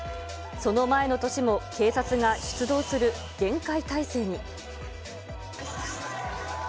その前の年も、警察が出動する厳戒態勢に。